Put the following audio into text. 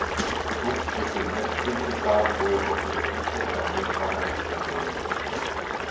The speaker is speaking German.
Brooks liegt in Edgefield begraben, wo ihm auf dem Friedhof ein Denkmal errichtet wurde.